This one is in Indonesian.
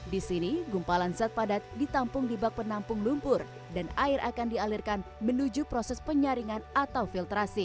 di sini gumpalan zat padat ditampung di bak penampung lumpur dan air akan dialirkan menuju proses penyaringan atau filtrasi